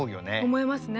思いますね。